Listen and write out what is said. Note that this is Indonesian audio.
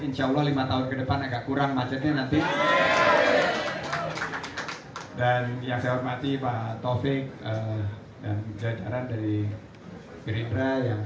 insya allah lima tahun kedepan acapulang macetnya nanti dan yang saya hormati pah taufik dan jajaran